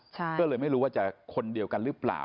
ก็เลยไม่รู้ว่าจะคนเดียวกันหรือเปล่า